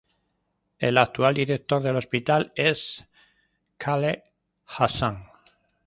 El actual director del hospital es Khaled Hassan.